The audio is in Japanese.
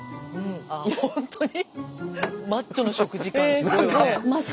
ほんとに？